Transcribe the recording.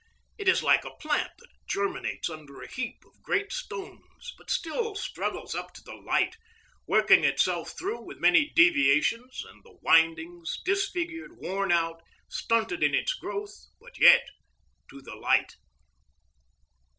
It is like a plant that germinates under a heap of great stones, but still struggles up to the light, working itself through with many deviations and windings, disfigured, worn out, stunted in its growth,—but yet, to the light.